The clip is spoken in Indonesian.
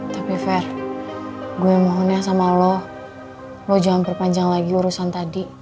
tapi fair gue mohon ya sama allah lo jangan perpanjang lagi urusan tadi